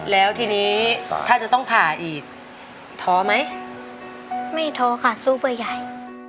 แล้วทีนี้ถ้าจะต้องผ่าอีกท้อไหมไม่ท้อค่ะสู้เพื่อยาย